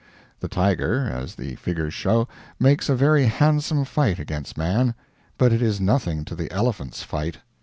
The tiger, as the figures show, makes a very handsome fight against man. But it is nothing to the elephant's fight.